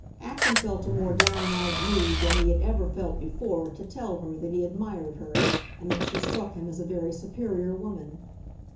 Acton felt a more downright need than he had ever felt before to tell her that he admired her and that she struck him as a very superior woman.